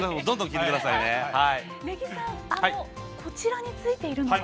根木さん、胸についているのは？